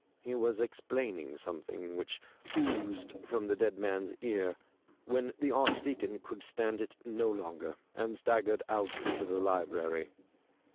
He was explaining something which oozed from the dead man's ear, when the Arch deacon could stand it no longer, and staggered out into the library.